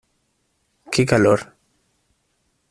Qué calor.